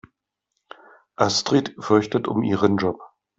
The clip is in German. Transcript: Astrid fürchtet um ihren Job.